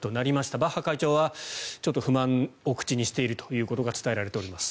バッハ会長はちょっと不満を口にしていることは伝えられております。